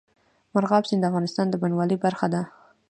مورغاب سیند د افغانستان د بڼوالۍ برخه ده.